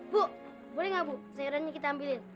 bu boleh nggak bu sayurannya kita ambilin